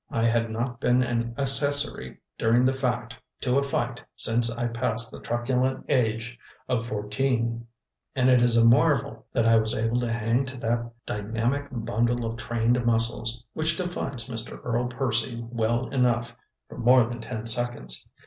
I had not been an accessory during the fact to a fight since I passed the truculent age of fourteen; and it is a marvel that I was able to hang to that dynamic bundle of trained muscles which defines Mr. Earl Percy well enough for more than ten seconds.